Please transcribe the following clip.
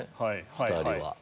２人は。